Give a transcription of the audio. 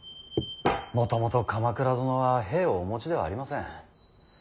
もともと鎌倉殿は兵をお持ちではありません。